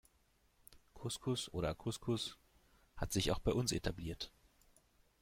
Couscous oder Kuskus hat sich auch bei uns etabliert.